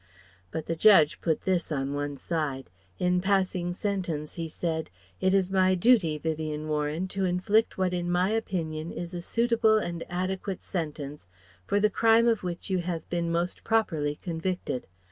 But the judge put this on one side. In passing sentence he said: "It is my duty, Vivien Warren, to inflict what in my opinion is a suitable and adequate sentence for the crime of which you have been most properly convicted.